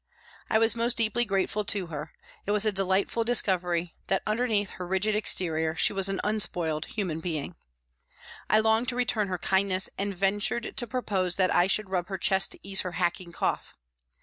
I was most deeply grateful to her, it was a delightful discovery that underneath her rigid exterior she was an unspoiled human being. I longed to return her kindness and ventured to pro pose that I should rub her chest to ease her hacking cough.